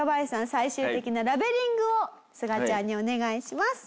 最終的なラベリングをすがちゃんにお願いします。